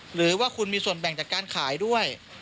หรือว่าคุณมีส่วนแบ่งจากการขายด้วย